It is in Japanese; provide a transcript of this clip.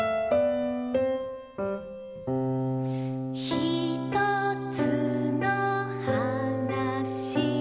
「ひとつのはなし」